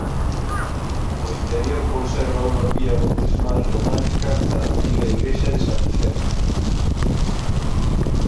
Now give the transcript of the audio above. No interior conserva unha pía bautismal románica da antiga igrexa de San Vicente.